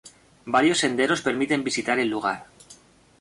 Varios senderos permiten visitar el lugar.